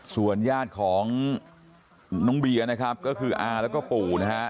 ส่วนญาติของน้องเบียร์นะครับก็คืออาแล้วก็ปู่นะฮะ